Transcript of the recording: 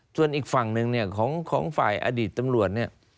ส่วนอีกฝั่งหนึ่งของฝ่ายอดีตต่ำรวจ